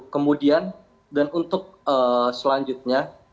kemudian dan untuk selanjutnya